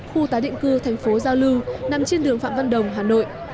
khu tái định cư thành phố giao lưu nằm trên đường phạm văn đồng hà nội